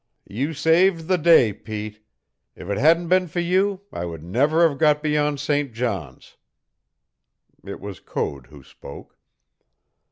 "You saved the day, Pete. If it hadn't been for you I would never have got beyond St. John's." It was Code who spoke.